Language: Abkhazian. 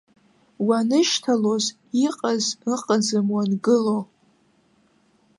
Уанышьҭалоз иҟаз ыҟаӡам уангыло.